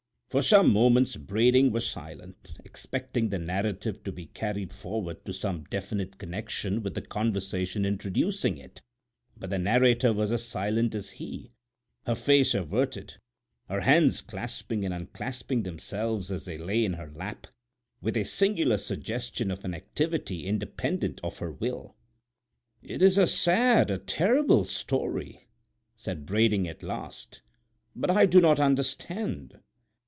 For some moments Brading was silent, expecting the narrative to be carried forward to some definite connection with the conversation introducing it; but the narrator was as silent as he, her face averted, her hands clasping and unclasping themselves as they lay in her lap, with a singular suggestion of an activity independent of her will. "It is a sad, a terrible story," said Brading at last, "but I do not understand.